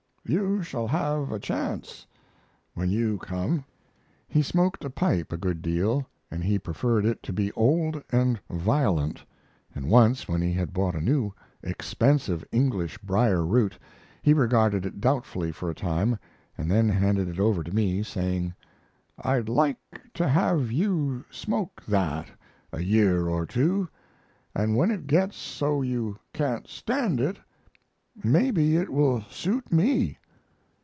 You shall have a chance when you come. He smoked a pipe a good deal, and he preferred it to be old and violent; and once, when he had bought a new, expensive English brier root he regarded it doubtfully for a time, and then handed it over to me, saying: "I'd like to have you smoke that a year or two, and when it gets so you can't stand it, maybe it will suit me."